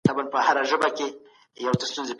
A ګروپ په ناورغیو ژر اخته کېږي.